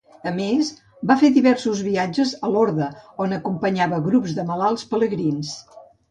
A més, va fer diversos viatges a Lorda, on acompanyava grups de malalts pelegrins.